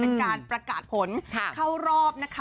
เป็นการประกาศผลเข้ารอบนะคะ